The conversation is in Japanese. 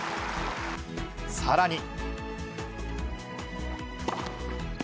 さらに。